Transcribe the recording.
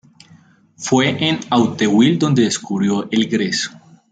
Fue en Auteuil donde descubrió el gres.